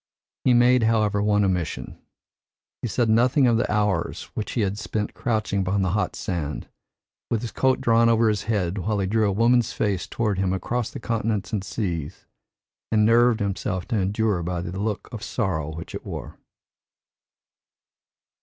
He made, however, one omission. He said nothing of the hours which he had spent crouching upon the hot sand, with his coat drawn over his head, while he drew a woman's face toward him across the continents and seas and nerved himself to endure by the look of sorrow which it wore.